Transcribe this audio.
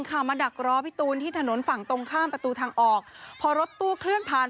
ค่ะมาดักรอพี่ตูนที่ถนนฝั่งตรงข้ามประตูทางออกพอรถตู้เคลื่อนผ่าน